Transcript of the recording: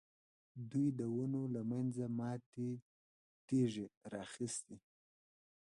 دوی د ونو له منځه ماتې تېږې را اخیستې.